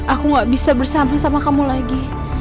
aku gak bisa bersambung sama kamu lagi